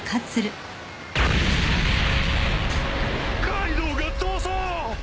カイドウが逃走！